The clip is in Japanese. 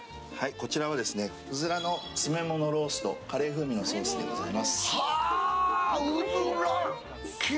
こちらは鶉の詰め物ローストカレー風味のソースになります。